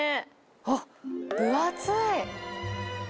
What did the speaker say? あっ、分厚い。